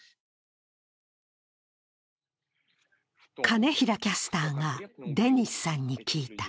金平キャスターがデニスさんに聞いた。